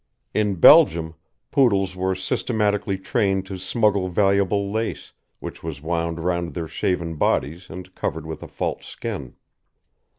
In Belgium Poodles were systematically trained to smuggle valuable lace, which was wound round their shaven bodies and covered with a false skin.